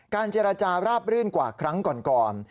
เจรจาราบรื่นกว่าครั้งก่อน